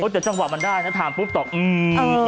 แต่จังหวะมันได้นะถามปุ๊บตอบอืม